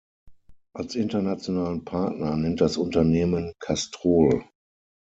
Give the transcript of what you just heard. Als internationalen Partner nennt das Unternehmen Castrol.